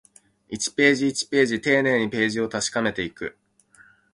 一ページ、一ページ、丁寧にページを確かめていく